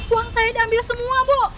uang saya diambil semua bu